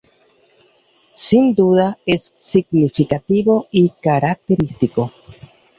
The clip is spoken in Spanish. Sin duda es significativo y característico.